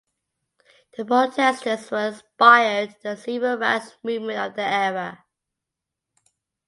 The protesters were inspired the civil rights movement of the era.